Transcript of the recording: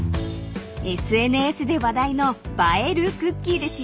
［ＳＮＳで話題の映えるクッキーですよ］